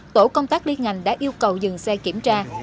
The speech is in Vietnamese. tổ công tác liên ngành đã yêu cầu dừng xe kiểm tra